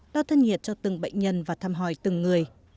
đo thân nhiệt cho từng bệnh nhân và thăm hỏi từng người